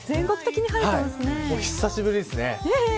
久しぶりですね。